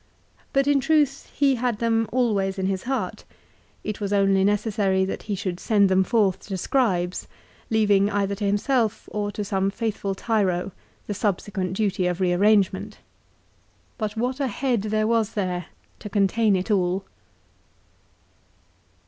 But in truth he had them always in his heart. It was only necessary that he should send them forth to scribes, leaving either to himself, or to some faithful Tiro, the subsequent duty of rearrangement. But what a head there was there to contain it all